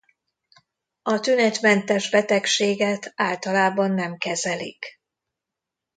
A tünetmentes betegséget általában nem kezelik.